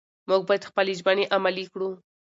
موږ باید خپلې ژمنې عملي کړو